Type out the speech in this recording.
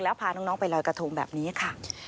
แล้วพาน้องไปลอยกระทงแบบนี้ค่ะ